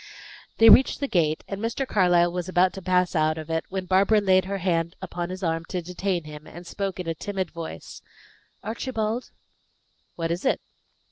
They reached the gate, and Mr. Carlyle was about to pass out of it when Barbara laid her hand on his arm to detain him, and spoke in a timid voice, "Archibald!" "What is it?"